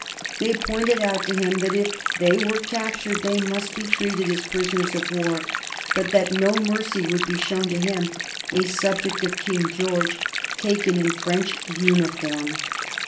They pointed out to him that if they were captured they must be treated as prisoners of war, but that no mercy would be shown to him, a subject of King George, taken in French uniform.